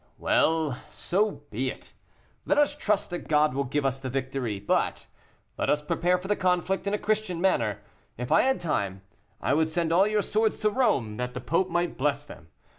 "Well! so be it. Let us trust that God will give us the victory. But let us prepare for the conflict in a Christian manner. If I had time, I would send all your swords to Rome, that the Pope might bless them.